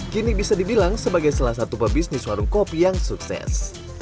kini bisa dibilang sebagai salah satu pebisnis warung kopi yang sukses